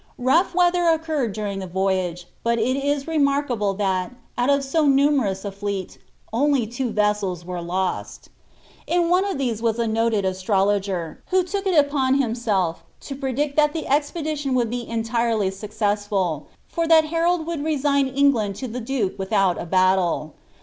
"» Rough weather occurred during the voyage, but it is remarkable that, out of so numerous a fleet, only two vessels were lost In one of these was a noted astrologer, who had taken upon himself to predict that the expedition would be entirely successful, for that Harold would resign England to the duke without a battle.